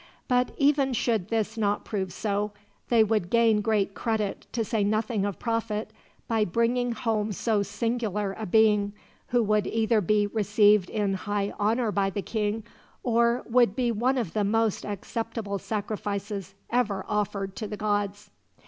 But even should this not prove so, they would gain great credit, to say nothing of profit, by bringing home so singular a being, who would either be received in high honor by the king, or would be one of the most acceptable sacrifices ever offered to the gods.